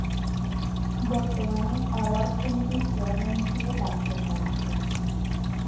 বর্তমানে অ্যাওয়ার্ড কমিটির চেয়ারম্যান হিসাবে দায়িত্ব পালন করছেন।